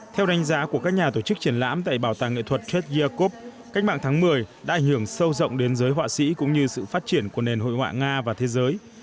theo đánh giá của các nhà tổ chức triển lãm tại bảo tàng nghệ thuật kep yekov cách mạng tháng một mươi đã ảnh hưởng sâu rộng đến giới họa sĩ cũng như sự phát triển của nền hội họa nga và thế giới